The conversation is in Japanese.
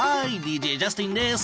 ＤＪジャスティンです。